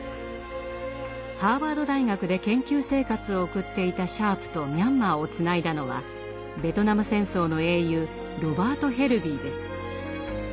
ハーバード大学で研究生活を送っていたシャープとミャンマーをつないだのはベトナム戦争の英雄ロバート・ヘルヴィーです。